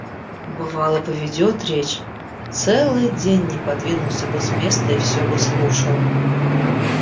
Бывало, поведет речь – целый день не подвинулся бы с места и всё бы слушал.